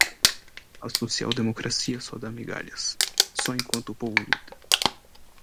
A social-democracia só dá migalhas, só enquanto o povo luta